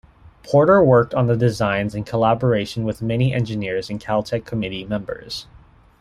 Porter worked on the designs in collaboration with many engineers and Caltech committee members.